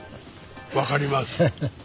わかります。